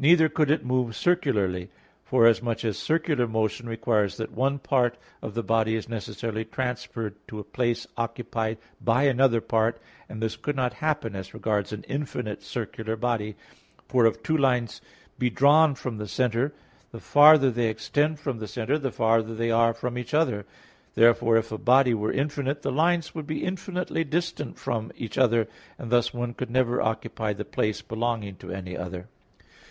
Neither could it move circularly; forasmuch as circular motion requires that one part of the body is necessarily transferred to a place occupied by another part, and this could not happen as regards an infinite circular body: for if two lines be drawn from the centre, the farther they extend from the centre, the farther they are from each other; therefore, if a body were infinite, the lines would be infinitely distant from each other; and thus one could never occupy the place belonging to any other.